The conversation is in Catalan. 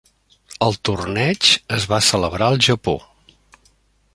El torneig es va celebrar al Japó.